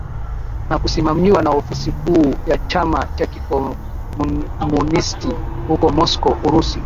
na kusimamiwa na ofisi kuu ya chama cha kikomunisti huko Moscow Urusi